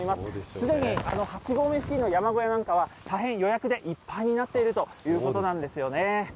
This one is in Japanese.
すでに８合目付近の山小屋なんかは、大変予約でいっぱいになっているということなんですよね。